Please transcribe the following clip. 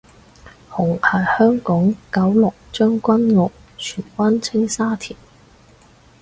紅係香港九龍將軍澳荃葵青沙田